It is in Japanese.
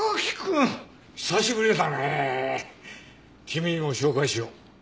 君にも紹介しよう。